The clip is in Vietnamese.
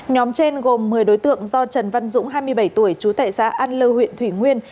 nhóm trên gồm một mươi đối tượng do trần văn dũng hai mươi bảy tuổi trú tại xã an lư huyện thủy nguyên